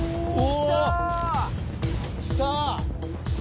きた！